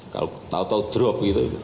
kalau tau tau drop gitu